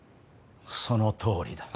そのとおりだ。